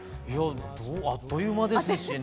あっという間ですしね。